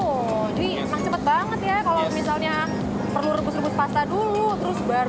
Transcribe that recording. jadi enggak cepet banget ya kalau misalnya perlu rebus rebus pasta dulu terus baru